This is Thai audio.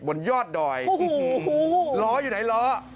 บนยอดดอยหลออยู่ไหนหลอ